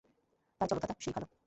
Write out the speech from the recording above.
তাই চলো দাদা, সেই ভালো।